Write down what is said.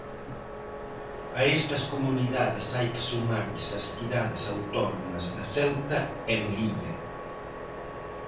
A estas comunidades hai que sumarlles as cidades autónomas de Ceuta e Melilla.